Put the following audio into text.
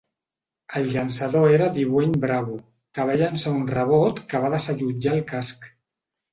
El llançador era Dwayne Bravo, que va llançar un rebot que va desallotjar el casc.